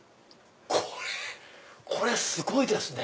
これすごいですね！